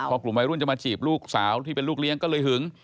พอกลุ่มวัยรุ่นจะมาจีบลูกสาวที่เป็นลูกเลี้ยงก็เลยหึง